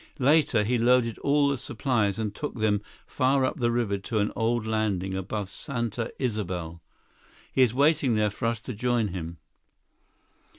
Later, he loaded all the supplies and took them far up the river to an old landing above Santa Isabel. He is waiting there for us to join him."